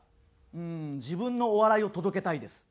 「うーん自分のお笑いを届けたいです」。